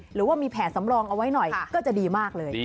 หรือว่ามีแผนสำรองเอาไว้หน่อยก็จะดีมากเลย